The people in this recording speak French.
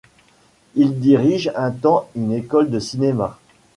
Il dirige un temps une école de cinéma.